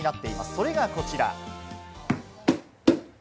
それがこちら！